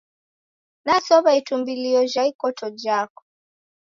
Nasow'a itumbulio jha ikoto jhako